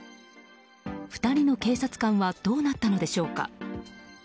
２人の警察官はどうなったのでしょうか。